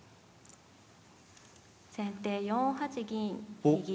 先手４八銀右。